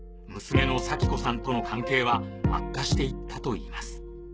娘の咲子さんとの関係は悪化していったといいます